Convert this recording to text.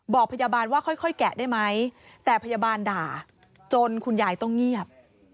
บอกพยาบาลว่าค่อยแกะได้ไหมแต่พยาบาลด่าจนคุณยายต้องเงียบ